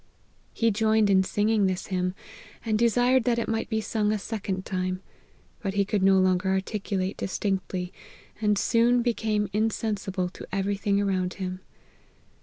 " He joined in singing this hymn, and desired that it might be sung a second time : but he could no longer articulate distinctly, and soon became in sensible to every thing around him.